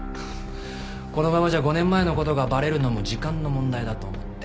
このままじゃ５年前の事がバレるのも時間の問題だと思って。